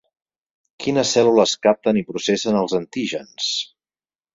Quines cèl·lules capten i processen els antígens?